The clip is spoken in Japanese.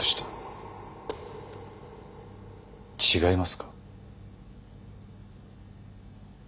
違いますか？